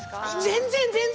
全然全然！